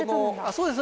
そうです